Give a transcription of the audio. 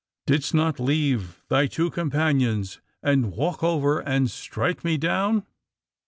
'^*^ Didst not leave thy two companions and walk over and strike me down?"